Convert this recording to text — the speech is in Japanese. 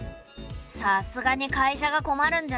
さすがに会社が困るんじゃない？